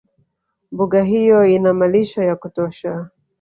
Mbuga hiyo ina malisho ya kutosha